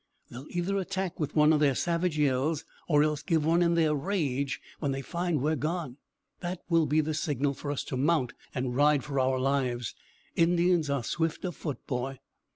"They'll either attack with one of their savage yells, or else give one in their rage when they find that we are gone. That will be the signal for us to mount and ride for our lives. Indians are swift of foot, boy."